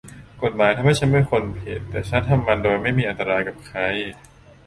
กฎหมายทำให้ฉันเป็นคนผิดแต่ฉันทำมันโดยไม่มีอันตรายกับใคร